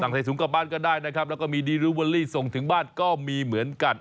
ใส่ถุงกลับบ้านก็ได้นะครับแล้วก็มีดีรูเวอรี่ส่งถึงบ้านก็มีเหมือนกัน